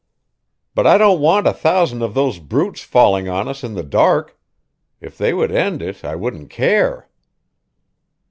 "But I don't want a thousand of those brutes falling on us in the dark. If they would end it I wouldn't care."